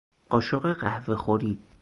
قاشق قهوه خوری